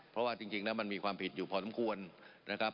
เพราะว่าจริงแล้วมันมีความผิดอยู่พอสมควรนะครับ